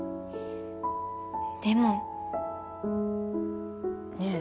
でもねえ